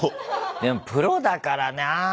でもプロだからなぁ。